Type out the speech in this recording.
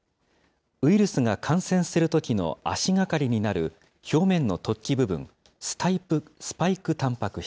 ウイルスが感染するときの足がかりになる、表面の突起部分、スパイクたんぱく質。